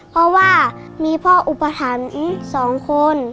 เพราะว่ามีพ่ออุปถัมภ์๒คน